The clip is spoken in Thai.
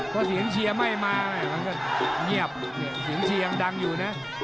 เพราะเสียงเชียร์ไม่มามันก็เงียบเสียงเชียร์ยังดังอยู่นะ